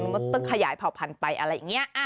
มันก็ต้องขยายเผ่าพันธุ์ไปอะไรอย่างนี้